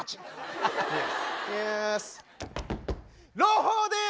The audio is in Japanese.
朗報です！